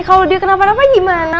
kalau dia kenapa kenapa gimana